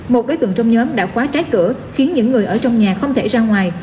một đối tượng trong nhóm đã khóa trái cửa khiến những người ở trong nhà không thể ra ngoài